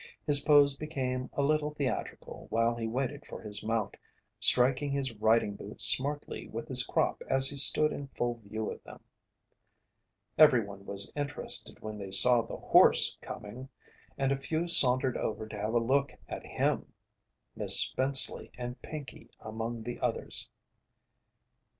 His pose became a little theatrical while he waited for his mount, striking his riding boot smartly with his crop as he stood in full view of them. Everyone was interested when they saw the horse coming, and a few sauntered over to have a look at him, Miss Spenceley and Pinkey among the others.